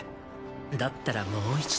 だったらもう一度。